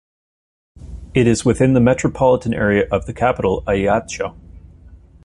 It is within the metropolitan area of the capital Ajaccio.